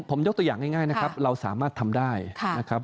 ผมยกตัวอย่างง่ายนะครับเราสามารถทำได้นะครับ